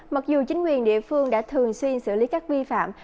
mặc dù chính quyền địa phương đã thường xuyên xử lý các vi phạm